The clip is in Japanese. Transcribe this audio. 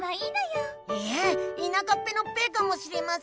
いえいなかっぺの「ぺ」かもしれません。